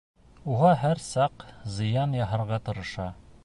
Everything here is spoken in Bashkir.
Уға һәр саҡ зыян яһарға тырыша.